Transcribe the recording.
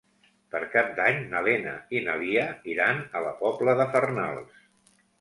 Per Cap d'Any na Lena i na Lia iran a la Pobla de Farnals.